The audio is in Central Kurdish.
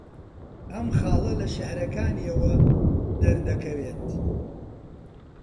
ئەم خاڵە لە شێعرەکانییەوە دەردەکەوێت